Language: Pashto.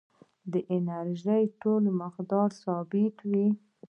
د انرژۍ ټول مقدار ثابت وي.